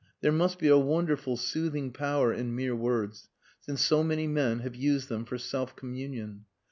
There must be a wonderful soothing power in mere words since so many men have used them for self communion.